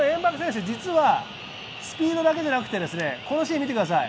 実はスピードだけではなくこのシーン見てください。